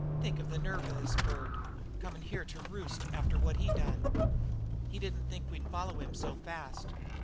Think of the nerve of this bird comin' here to roost after what he done." "He didn't think we'd follow him so fast."